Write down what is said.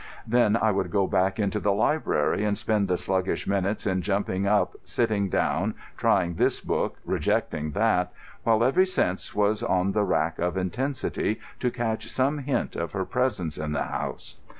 Then I would go back into the library and spend the sluggish minutes in jumping up, sitting down, trying this book, rejecting that, while every sense was on the rack of intensity to catch some hint of her presence in the house.